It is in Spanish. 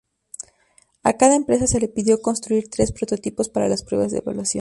A cada empresa se le pidió construir tres prototipos para las pruebas de evaluación.